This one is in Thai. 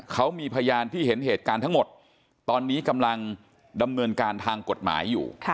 เขามีพยานที่เห็นเหตุการณ์ทั้งหมดตอนนี้กำลังดำเนินการทางกฎหมายอยู่